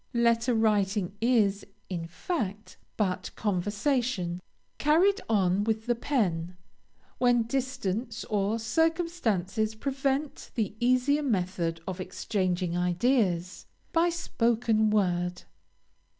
Letter writing is, in fact, but conversation, carried on with the pen, when distance or circumstances prevent the easier method of exchanging ideas, by spoken words.